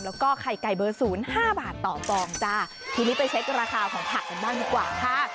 แล้วก็ไข่ไก่เบอร์ศูนย์ห้าบาทต่อฟองจ้าทีนี้ไปเช็คราคาของผักกันบ้างดีกว่าค่ะ